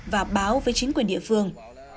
và báo với chính quyền địa phương